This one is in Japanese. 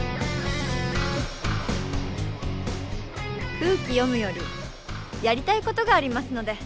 空気読むよりやりたいことがありますので。